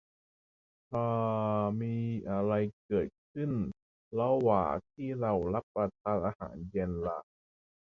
ถ้ามีอะไรเกิดขึ้นระหว่าที่เรารับประทานอาหารเย็นล่ะ